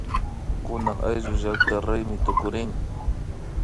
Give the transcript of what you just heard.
Kunan ayllullakta raymita tukuchin